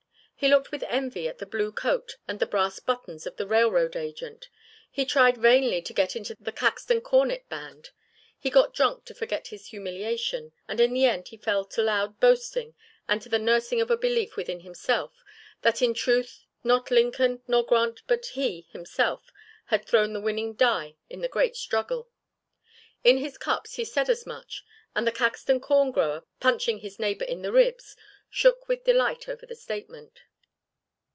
He looked with envy at the blue coat and the brass buttons of the railroad agent; he tried vainly to get into the Caxton Cornet Band; he got drunk to forget his humiliation and in the end he fell to loud boasting and to the nursing of a belief within himself that in truth not Lincoln nor Grant but he himself had thrown the winning die in the great struggle. In his cups he said as much and the Caxton corn grower, punching his neighbour in the ribs, shook with delight over the statement.